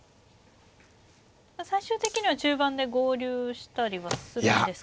最終的には中盤で合流したりはするんですか。